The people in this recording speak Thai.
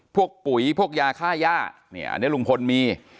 ปุ๋ยพวกยาค่าย่าเนี่ยอันนี้ลุงพลมี